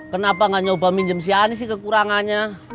kenapa nggak nyoba minjem si ani sih kekurangannya